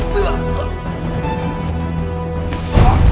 aku akan menang